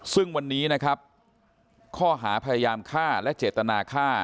ซึ่งวันนี้นะครับข้อหาพยายามฆ่าและเจตนาฆ่า